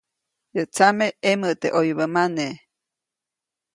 Yäʼ tsame ʼemoʼte ʼoyubä mane.